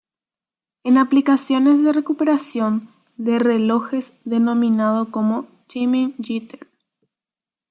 En aplicaciones de recuperación de reloj es denominado como "timing jitter".